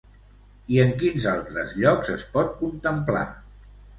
I en quins altres llocs es pot contemplar?